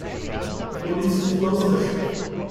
The police closed the show.